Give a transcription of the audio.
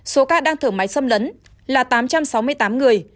số ca đang thở máy xâm lấn là tám trăm sáu mươi tám người